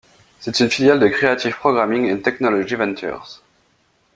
C'est une filiale de Creative Programming and Technology Ventures.